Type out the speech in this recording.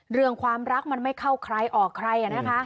เรื่องความรักมันไม่เข้าใครออกใครนะคะ